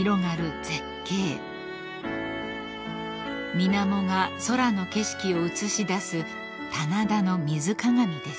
［水面が空の景色を映し出す棚田の水鏡です］